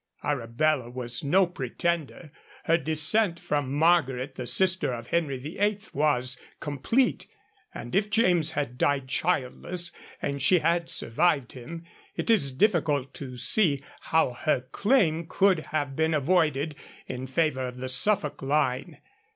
Arabella was no pretender; her descent from Margaret, the sister of Henry VIII., was complete, and if James had died childless and she had survived him, it is difficult to see how her claim could have been avoided in favour of the Suffolk line.